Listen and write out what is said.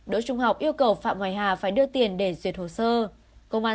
đỗ trung học yêu cầu phạm hoài hà phải đưa tiền để duyệt hồ sơ